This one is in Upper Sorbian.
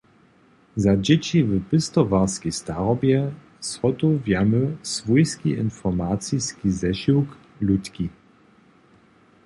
Za dźěći w pěstowarskej starobje zhotowjamy swójski informaciski zešiwk Lutki.